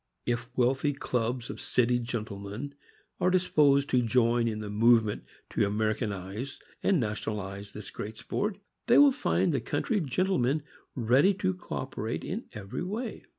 If wealthy clubs of city gentlemen are disposed to join in the movement to Ameri canize and nationalize this great sport, they will find the country gentlemen ready to cooperate in every way.